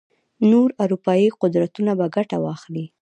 نور اروپايي قدرتونه به ګټه واخلي.